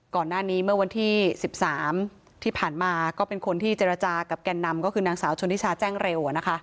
ก่อนหน้านี้เมื่อวันที่๑๓ที่ผ่านมาก็เป็นคนที่เจรจากับแก่นนำก็คือนางสาวชนทิชาแจ้งเร็ว